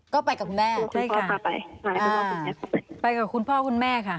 ก็ไปกับคุณแม่คุณพ่อคุณแม่ค่ะใช่ค่ะอ่าไปกับคุณพ่อคุณแม่ค่ะ